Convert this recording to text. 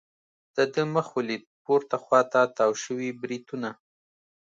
د ده مخ ولید، پورته خوا ته تاو شوي بریتونه.